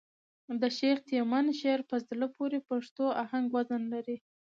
د شېخ تیمن شعر په زړه پوري پښتو آهنګ وزن لري.